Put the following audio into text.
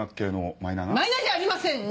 マイナーじゃありません！